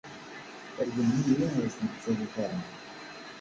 Ṛeggmem-iyi ur tent-tettadum ara.